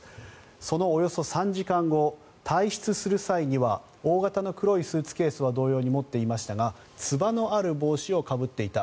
そのおよそ３時間後退室する際には大型の黒いスーツケースは同様に持っていましたがつばのある帽子をかぶっていた。